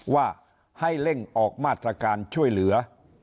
ว่าให้เร่งออกมาตรการช่วยเหลือ